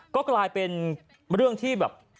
ก็กลายเป็นเรื่องที่แบบ